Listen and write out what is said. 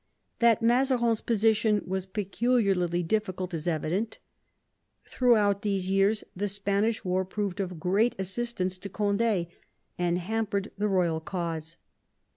That Mazarines position was peculiarly difficult is evident Throughout these years the Spanish war proved of great assistance to Cond^ and hampered the royal cause.